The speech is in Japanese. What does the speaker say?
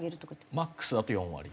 マックスだと４割。